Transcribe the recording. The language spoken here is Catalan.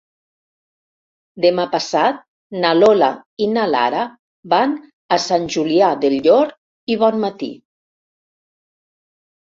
Demà passat na Lola i na Lara van a Sant Julià del Llor i Bonmatí.